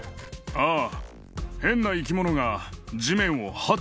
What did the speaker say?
ああ。